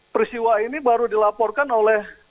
peristiwa ini baru dilaporkan oleh